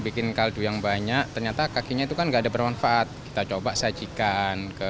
bikin kaldu yang banyak ternyata kakinya itu kan nggak ada bermanfaat kita coba sajikan ke